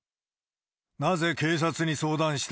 なぜ警察に相談した。